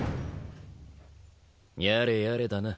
やれやれだな。